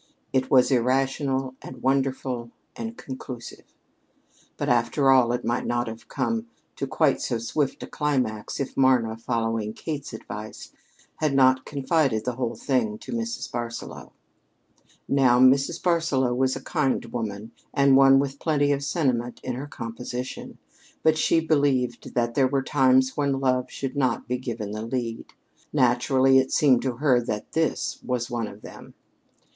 It was irrational and wonderful and conclusive. But after all, it might not have come to quite so swift a climax if Marna, following Kate's advice, had not confided the whole thing to Mrs. Barsaloux. Now, Mrs. Barsaloux was a kind woman, and one with plenty of sentiment in her composition. But she believed that there were times when Love should not be given the lead. Naturally, it seemed to her that this was one of them.